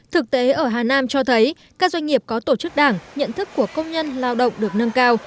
thực tế ở hà nam cho thấy các doanh nghiệp có tổ chức đảng nhận thức của công nhân lao động được nâng cao